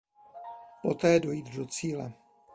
Poté dojít do cíle.